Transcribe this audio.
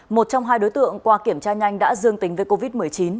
một trong hai đối tượng qua kiểm tra nhanh đã dương tính với covid một mươi chín